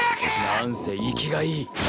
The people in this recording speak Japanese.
何せ生きがいい。